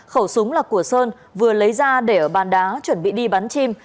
khẩu súng là của sơn vừa lấy ra để ở bàn đá chuẩn bị đi bắn chim